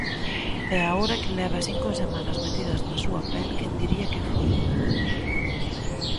E agora que leva cinco semanas metida na súa pel, quen diría que foi?